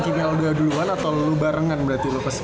kimel udah duluan atau lu barengan berarti lu pesen